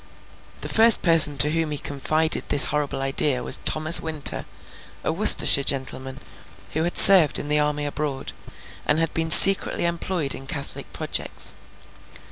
The first person to whom he confided this horrible idea was Thomas Winter, a Worcestershire gentleman who had served in the army abroad, and had been secretly employed in Catholic projects.